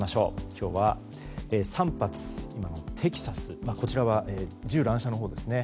今日は３発、テキサスこちらは銃乱射のほうですね。